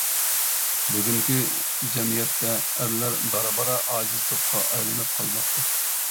بۈگۈنكى جەمئىيەتتە ئەرلەر بارا-بارا ئاجىز توپقا ئايلىنىپ قالماقتا.